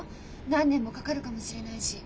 何年もかかるかもしれないし。